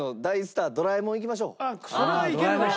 それはいけるでしょ。